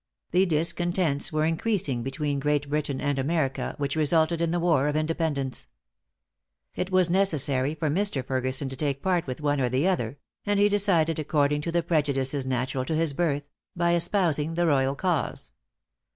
The discontents were increasing between Great Britain and America, which resulted in the war of Independence. It was necessary for Mr. Ferguson to take part with one or the other; and he decided according to the prejudices natural to his birth, by espousing the royal cause.